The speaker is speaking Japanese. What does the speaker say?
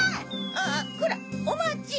あぁこらっおまち！